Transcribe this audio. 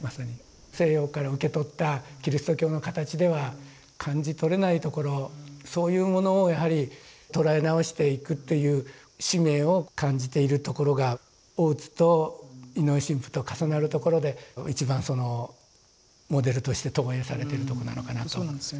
西洋から受け取ったキリスト教の形では感じとれないところそういうものをやはり捉え直していくっていう使命を感じているところが大津と井上神父と重なるところで一番モデルとして投影されてるところなのかなと思います。